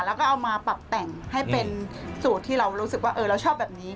แล้วก็เอามาปรับแต่งให้เป็นสูตรที่เรารู้สึกว่าเราชอบแบบนี้